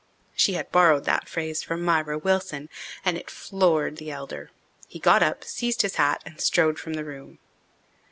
She had borrowed that phrase from Myra Wilson, and it floored the elder. He got up, seized his hat, and strode from the room.